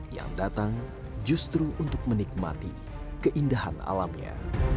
yang datang justru untuk menikmati keindahan alamnya